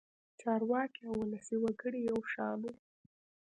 چارواکي او ولسي وګړي یو شان وو.